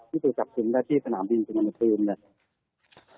ที่รู้จักกันได้ที่สนามบินจริงนักษรภูมิ